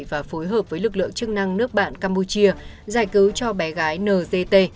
và phối hợp với lực lượng chức năng nước bạn campuchia giải cứu cho bé gái nct